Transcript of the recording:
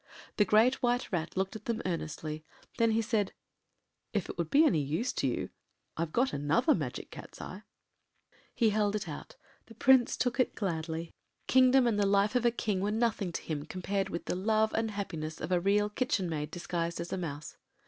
The Great White Rat looked at them earnestly. Then he said— “If it would be of any use to you, I’ve got another Magic Cat’s eye.” He held it out. The Prince took it gladly. Kingdom and the life of a king were nothing to him compared with the love and happiness of a Real Kitchen Maid disguised as a mouse.